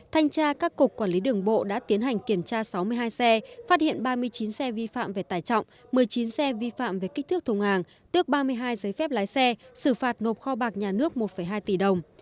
thanh tra các cục quản lý đường bộ đã tiến hành kiểm tra sáu mươi hai xe phát hiện ba mươi chín xe vi phạm về tải trọng một mươi chín xe vi phạm về kích thước thùng hàng tước ba mươi hai giấy phép lái xe xử phạt nộp kho bạc nhà nước một hai tỷ đồng